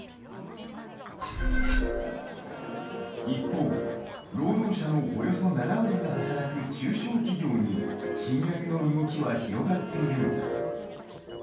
一方、労働者のおよそ７割が働く中小企業に賃上げの動きは広がっているのか。